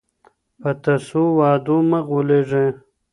په تسو وعدو مه غولیږه.